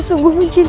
yang telah berdeskan